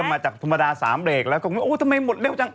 มาจากธรรมดา๓เบรกแล้วก็โอ้ทำไมหมดเร็วจัง